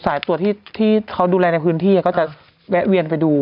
สายตรวจที่เขาดูแลในพื้นที่ก็จะแวะเวียนไปดู